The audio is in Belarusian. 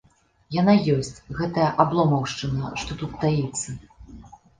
Яна ёсць, гэтая абломаўшчына, што тут таіцца.